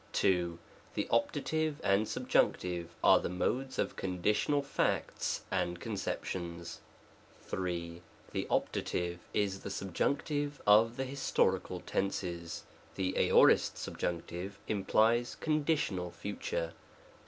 2. The Optative and Subjunctive are the Modes of conditional facts and conceptions. 192 SUBORDINATE CLAUSES. — ^MODES. §133: 3. The Optative is the Subjunctive of the Histori cal Tenses. The Aorist Subjunctive implies conditional future.